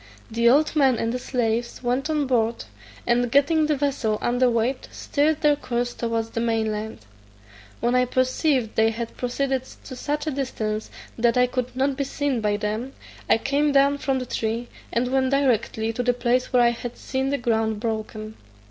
The old man and the slaves went on board, and getting the vessel under weigh, steered their course towards the main land. When I perceived they had proceeded to such a distance that I could not be seen by them, I came down from the tree, and went directly to the place where I had seen the ground broken.